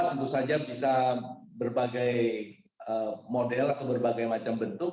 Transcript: tentu saja bisa berbagai model atau berbagai macam bentuk